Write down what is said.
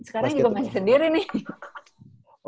sekarang juga main sendiri nih